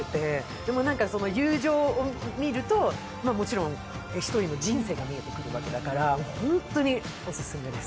でも、友情を見ると、もちろん１人の人生が見えてくるわけだから、本当にオススメです。